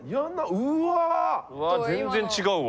うわ全然違うわ。